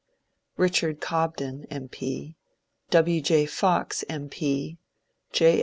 Richard Cobden M. P., W. J. Fox M. P., J.